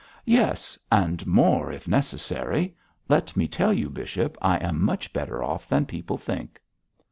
'Yes! and more if necessary. Let me tell you, bishop, I am much better off than people think.'